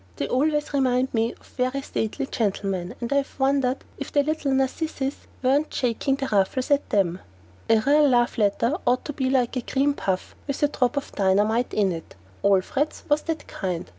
They always remind me of very stately gentlemen, and I have wondered if the little narcissus weren't shaking their ruffles at them. A real love letter ought to be like a cream puff with a drop of dynamite in it. Alfred's was that kind.